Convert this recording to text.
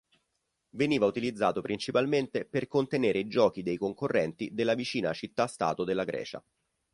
Veniva utilizzato principalmente per contenere i giochi dei concorrenti della vicina città-stato della Grecia.